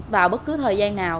vào bất cứ thời gian nào